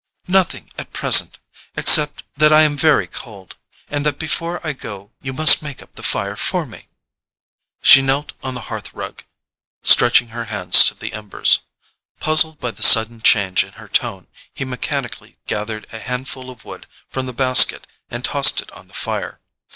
"Nothing at present—except that I am very cold, and that before I go you must make up the fire for me." She knelt on the hearth rug, stretching her hands to the embers. Puzzled by the sudden change in her tone, he mechanically gathered a handful of wood from the basket and tossed it on the fire.